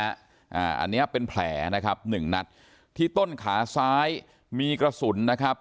อันนี้เป็นแผลนะครับหนึ่งนัดที่ต้นขาซ้ายมีกระสุนนะครับ